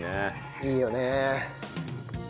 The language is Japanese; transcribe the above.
いいよね。